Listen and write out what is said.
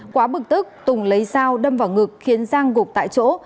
quá bực tức tùng lấy dao đâm vào ngực khiến giang gục tại chỗ